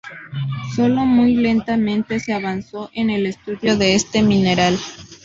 Solo muy lentamente se avanzó en el estudio de este mineral.